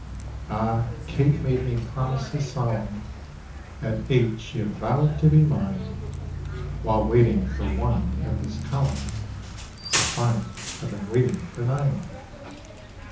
Ah! Kate made me promises solemn, At eight she had vow'd to be mine; While waiting for one at this column, I find I've been waiting for nine.